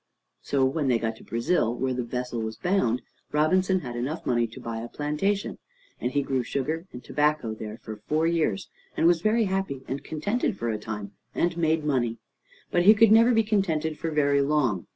So, when they got to Brazil, where the vessel was bound, Robinson had enough money to buy a plantation; and he grew sugar and tobacco there for four years, and was very happy and contented for a time, and made money. But he could never be contented for very long.